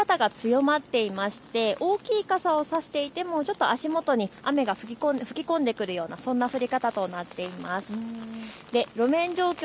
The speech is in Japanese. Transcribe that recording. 夜は結構、降り方が強まっていまして、大きい傘を差していてもちょっと足元に雨が吹き込んでくるような、そんな降り方となっています。